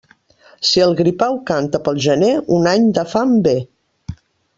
Si el gripau canta pel gener, un any de fam ve.